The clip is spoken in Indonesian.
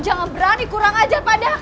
jangan berani kurang ajar pada